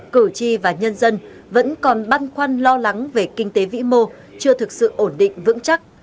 cử tri và nhân dân vẫn còn băn khoăn lo lắng về kinh tế vĩ mô chưa thực sự ổn định vững chắc